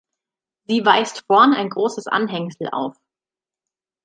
Sie weist vorn ein großes Anhängsel auf.